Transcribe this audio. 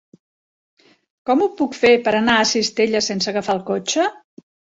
Com ho puc fer per anar a Cistella sense agafar el cotxe?